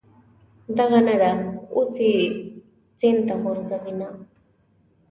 دغه نه ده، اوس یې سین ته غورځوینه.